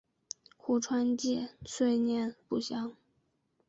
胡顺妃卒年不详。